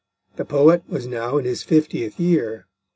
The poet was now in his fiftieth year.